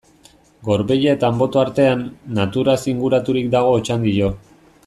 Gorbeia eta Anboto artean, naturaz inguraturik dago Otxandio.